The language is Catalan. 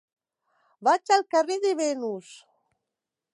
Vaig al carrer de Venus.